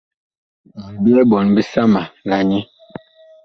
Mi byɛɛ ɓɔɔn bisama la nyɛ.